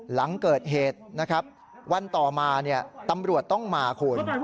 หลังเกิดเหตุนะครับวันต่อมาตำรวจต้องมาคุณ